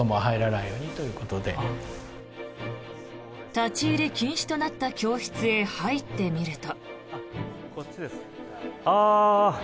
立ち入り禁止となった教室へ入ってみると。